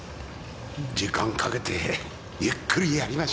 時間かけてゆっくりやりましょうや。